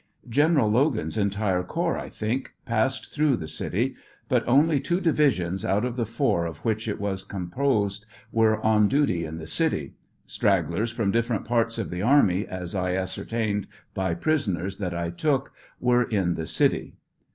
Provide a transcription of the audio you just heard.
General Logan's entire corps, I think, passed through the city, but only two divisions out of the four of which it was composed were on duty in the city ; stragglers from different parts of the army, as I ascer tained by prisoners that I took, were in the city.